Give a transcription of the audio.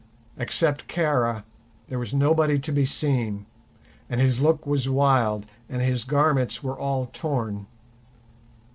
Except Kara, there was nobody to be seen, and his look was wild, and his garments were all torn.